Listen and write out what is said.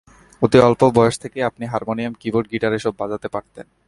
অতি অল্প বয়স থেকেই আপনি হারমোনিয়াম, কি-বোর্ড, গিটার এসব বাজাতে পারতেন।